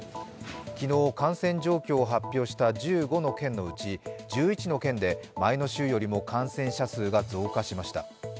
昨日、感染状況を発表した１５の県のうち、１１県で前の週よりも感染者数が増加しました。